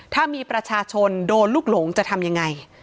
ถ้ามีประชาชนโดนลูกหลงจะทำยังไง